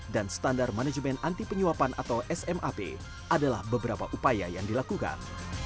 dan standar manajemen anti penyuapan atau smap adalah beberapa upaya yang dilakukan